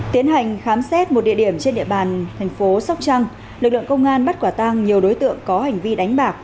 tiến hành khám xét một địa điểm trên địa bàn thành phố sóc trăng lực lượng công an bắt quả tang nhiều đối tượng có hành vi đánh bạc